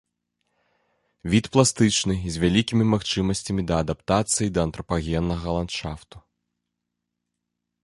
Від пластычны, з вялікімі магчымасцямі да адаптацыі да антрапагеннага ландшафту.